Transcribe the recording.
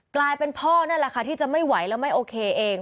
กลายเป็นพ่อนั่นแหละค่ะที่จะไม่ไหวแล้วไม่โอเคเอง